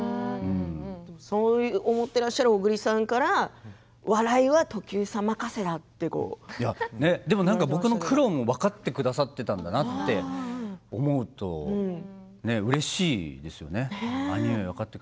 そう思っていらっしゃる小栗さんから僕の苦労も分かってくださっていたんだなって思うとうれしいですね。